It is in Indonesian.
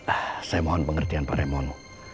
ah saya mohon pengertian pak remono